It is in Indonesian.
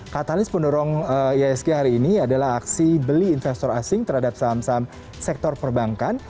katalis pendorong iasg hari ini adalah aksi beli investor asing terhadap saham saham sektor perbankan